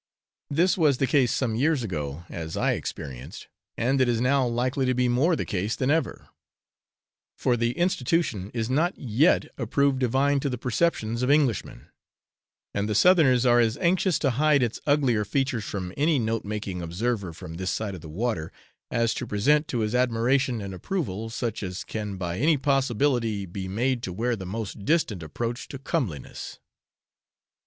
This was the case some years ago, as I experienced, and it is now likely to be more the case than ever; for the institution is not yet approved divine to the perceptions of Englishmen, and the Southerners are as anxious to hide its uglier features from any note making observer from this side the water, as to present to his admiration and approval such as can by any possibility be made to wear the most distant approach to comeliness.